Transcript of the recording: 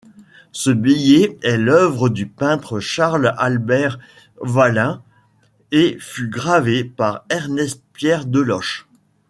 Ce billet est l’œuvre du peintre Charles-Albert Walhain et fut gravé par Ernest-Pierre Deloche.